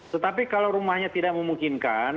tetapi kalau rumahnya tidak memungkinkan